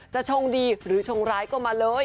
ชงดีหรือชงร้ายก็มาเลย